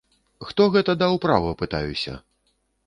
Хто гэта даў права, пытаюся!?